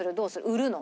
「売るの？